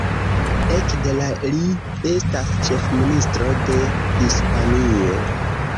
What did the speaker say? Ekde la li estas ĉefministro de Hispanio.